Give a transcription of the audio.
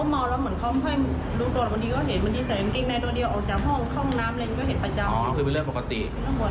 ยังไม่มีที่นอนไนนี้